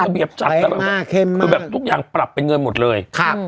เขาระเบียบจัดแต่แบบทุกอย่างปรับเป็นเงินหมดเลย